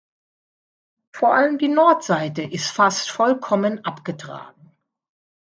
Vor allem die Nordseite ist fast vollkommen abgetragen.